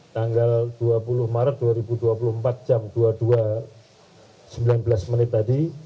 tanggal dua puluh maret dua ribu dua puluh empat jam dua puluh dua sembilan belas menit tadi